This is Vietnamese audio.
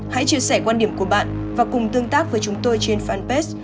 hãy chia sẻ quan điểm của bạn và cùng tương tác với chúng tôi trên fanpage